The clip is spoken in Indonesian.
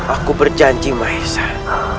aku berjanji mahesan